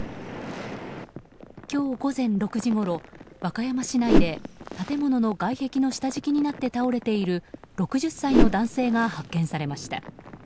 今日午前６時ごろ、和歌山市内で建物の外壁の下敷きになって倒れている６０歳の男性が発見されました。